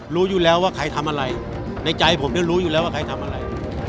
รู้อยู่แล้วว่าใครทำอะไรในใจผมเนี่ยรู้อยู่แล้วว่าใครทำอะไร